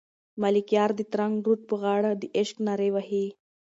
ملکیار د ترنګ رود په غاړه د عشق نارې وهي.